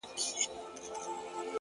په دغسي شېبو كي عام اوخاص اړوي سـترگي’